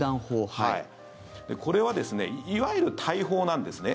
これはいわゆる大砲なんですね。